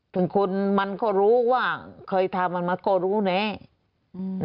ถึงคุณมันก็รู้ว่าเคยทำมันมันก็รู้เนี่ย